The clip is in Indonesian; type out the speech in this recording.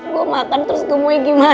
gue makan terus gue mau gimana kiki